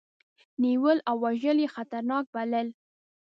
نیول او وژل یې خطرناک بلل.